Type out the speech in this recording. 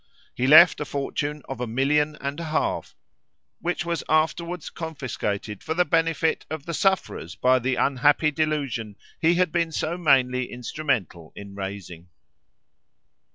He left a fortune of a million and a half, which was afterwards confiscated for the benefit of the sufferers by the unhappy delusion he had been so mainly instrumental in raising.